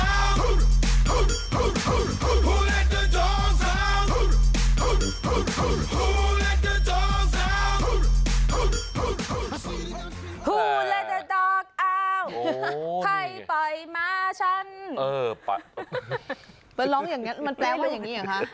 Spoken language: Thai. โอ้โหใครปล่อยมาฉันเออไปร้องอย่างนี้มันแปลว่าอย่างนี้เหรอคะ